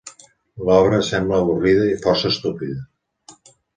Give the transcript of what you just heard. L'obra sembla avorrida i força estúpida.